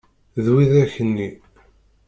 D widak-nni.